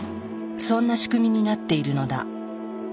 そんな仕組みになっているのだ。